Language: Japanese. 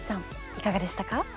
いかがでしたか？